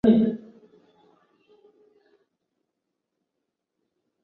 皇家海军胜利号战舰是一艘英国皇家海军的一级风帆战列舰。